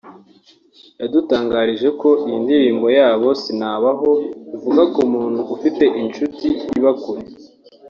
yadutangarije ko iyi ndirimbo yabo 'Sinabaho' ivuga ku muntu ufite inshuti iba kure